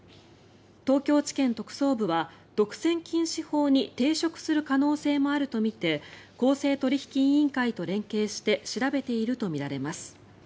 東京地検特捜部は独占禁止法に抵触する可能性もあるとみて公正取引委員会と連携して調べているとみられます。